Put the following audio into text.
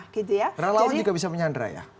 relawan juga bisa menyandra ya